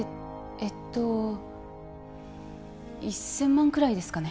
えっと１千万くらいですかね